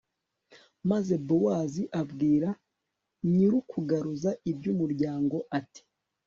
maze bowozi abwira nyir'ukugaruza iby'umuryango, ati